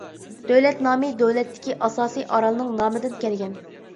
دۆلەت نامى دۆلەتتىكى ئاساسىي ئارالنىڭ نامىدىن كەلگەن.